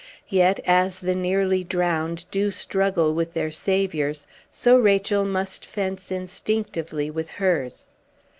Yet, as the nearly drowned do struggle with their saviours, so Rachel must fence instinctively with hers.